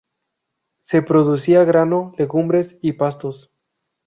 Se producía grano, legumbres y pastos.